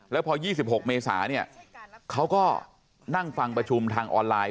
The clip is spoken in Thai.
แล้วพอ๒๖เมษาเนี่ยเขาก็นั่งฟังประชุมทางออนไลน์